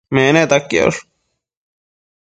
menetan quiosh